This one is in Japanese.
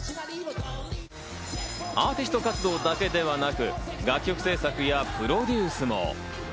アーティスト活動だけではなく、楽曲制作やプロデュースも。